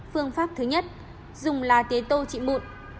phương pháp thứ nhất dùng là tế tô trị mụn